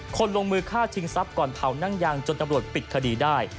ลงมือฆ่าชิงทรัพย์ก่อนเผานั่งยางจนตำรวจปิดคดีได้